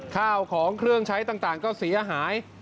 ข้าวของเครื่องใช้ต่างก็เสียหาย